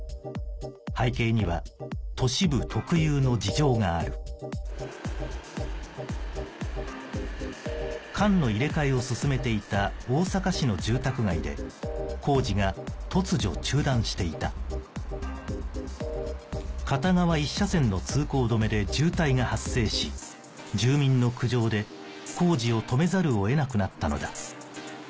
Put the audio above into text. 背景には都市部特有の事情がある管の入れ替えを進めていた大阪市の住宅街で工事が突如中断していた片側一車線の通行止めで渋滞が発生し住民の苦情で工事を止めざるを得なくなったのだ